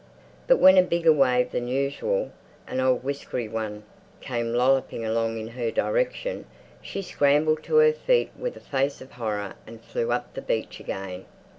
But when a bigger wave than usual, an old whiskery one, came lolloping along in her direction, she scrambled to her feet with a face of horror and flew up the beach again.